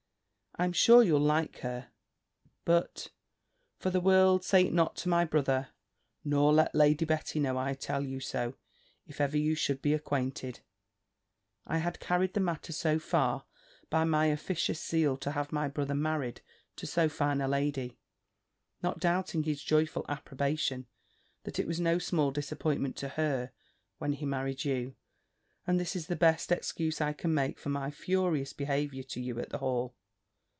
I'm sure you'll like her. But (for the world say it not to my brother, nor let Lady Betty know I tell you so, if ever you should be acquainted) I had carried the matter so far by my officious zeal to have my brother married to so fine a lady, not doubting his joyful approbation, that it was no small disappointment to her, when he married you: and this is the best excuse I can make for my furious behaviour to you at the Hall.